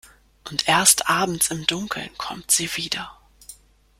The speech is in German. Und erst abends im Dunkeln kommt sie wieder.